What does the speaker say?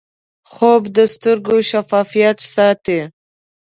خوب د سترګو شفافیت ساتي